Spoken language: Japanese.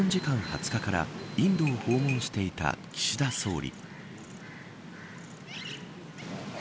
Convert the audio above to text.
日本時間、２０日からインドを訪問していた岸田総理。